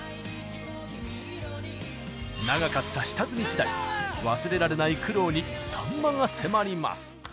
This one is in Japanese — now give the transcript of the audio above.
長かった下積み時代忘れられない苦労にさんまが迫ります。